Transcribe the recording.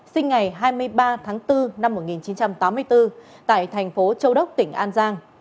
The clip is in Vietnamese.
sinh ngày hai mươi ba tháng bốn năm một nghìn chín trăm tám mươi bốn tại thành phố châu đốc tỉnh an giang